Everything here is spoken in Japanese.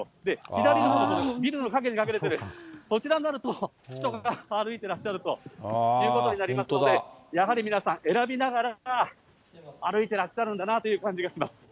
左のほう、ビルの影に隠れてる、こちらになると、人が歩いてらっしゃるということになりますので、やはり皆さん、選びながら歩いてらっしゃるんだなという感じがします。